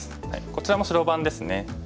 こちらも白番ですね。